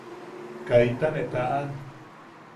Kaita ne taʼan.